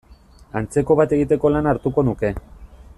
Antzeko bat egiteko lana hartuko nuke.